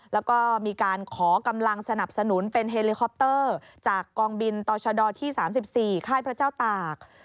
แล้วก็มีการขอกำลังสนับสนุนเป็นเฮลิคอปเตอร์จากกองบินต่อชดที่๓๔ค่ายพระเจ้าตาก